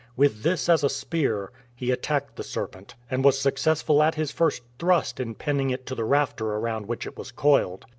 With this as a spear he attacked the serpent, and was successful at his first thrust in pinning it to the rafter round which it was coiled.